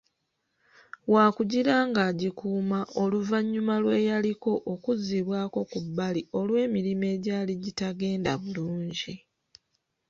Waakugira ng'agikuuma oluvannyuma lw'eyaliko okuzzibwako ku bbali olw'emirimu egyali gitagenda bulungi.